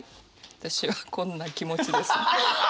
私はこんな気持ちです。